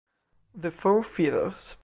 The Four Feathers